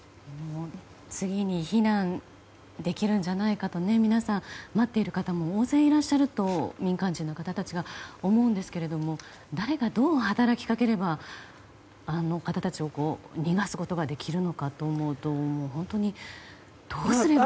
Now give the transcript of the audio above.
次に避難できるんじゃないかと皆さん、待っている方も大勢、いらっしゃると民間人の方たちがと思うんですが誰がどう働きかければあの方たちを逃がすことができるのかと思うと本当にどうすれば。